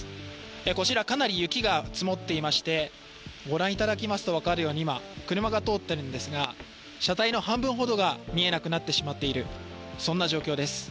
こちらかなり雪が積もっていまして、ご覧いただくと分かりますように、今、車が通っているんですが車体の半分ほどが見えなくなってしまっているそんな状況です。